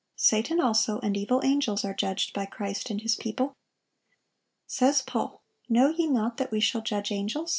Satan also and evil angels are judged by Christ and His people. Says Paul, "Know ye not that we shall judge angel?"